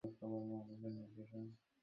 কি করি আপনিই বলেন এখন কি করবো?